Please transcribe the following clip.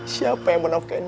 siapa yang menafkain mereka